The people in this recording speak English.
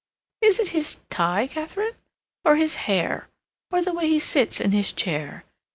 Is it his tie, Katharine, or his hair, or the way he sits in his chair?